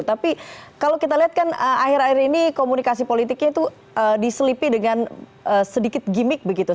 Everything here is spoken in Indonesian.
tapi kalau kita lihat kan akhir akhir ini komunikasi politiknya itu diselipi dengan sedikit gimmick begitu